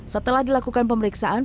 setelah dilakukan pemeriksaan